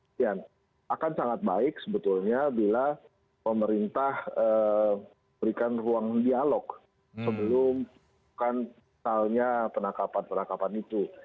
nah itu kan akan sangat baik sebetulnya bila pemerintah berikan ruang dialog sebelum kan soalnya penangkapan penangkapan itu